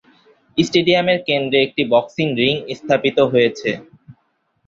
স্টেডিয়ামের কেন্দ্রে একটি বক্সিং রিং স্থাপিত রয়েছে।